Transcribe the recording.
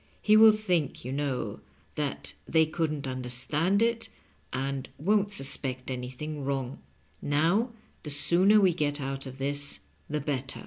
He will think, yon know, that they couldn't understand it, and won't suspect anything wrong. Now, the sooner we get out of this the better."